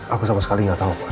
aku sama sekali nggak tau pak